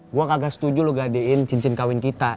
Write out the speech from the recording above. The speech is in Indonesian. gue kagak setuju loh gadein cincin kawin kita